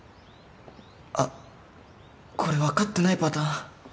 あっこれ分かってないパターン